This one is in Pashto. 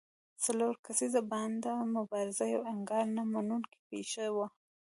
د څلور کسیز بانډ مبارزه یوه انکار نه منونکې پېښه وه.